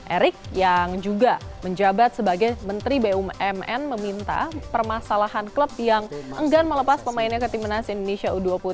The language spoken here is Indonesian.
erick yang juga menjabat sebagai menteri bumn meminta permasalahan klub yang enggan melepas pemainnya ke timnas indonesia u dua puluh tiga